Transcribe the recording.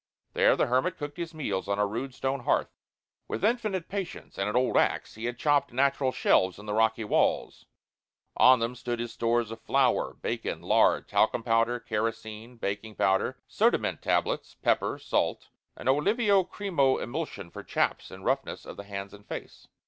There the hermit cooked his meals on a rude stone hearth. With infinite patience and an old axe he had chopped natural shelves in the rocky walls. On them stood his stores of flour, bacon, lard, talcum powder, kerosene, baking powder, soda mint tablets, pepper, salt, and Olivo Cremo Emulsion for chaps and roughness of the hands and face.